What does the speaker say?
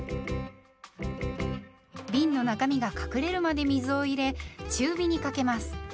びんの中身が隠れるまで水を入れ中火にかけます。